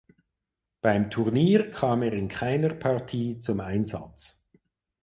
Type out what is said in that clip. Beim Turnier kam er in keiner Partie zum Einsatz.